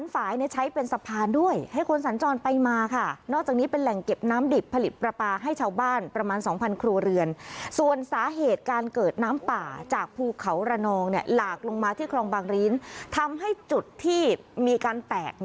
ขาวระนองเนี่ยหลากลงมาที่ครองบางรีนทำให้จุดที่มีการแตก